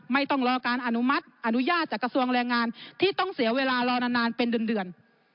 ไม่ต้องรอการอนุมัติอนุญาตจากกระทรวงแรงงานที่ต้องเสียเวลารอนานเป็นเดือน